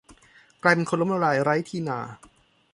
กลายเป็นคนล้มละลายไร้ที่นา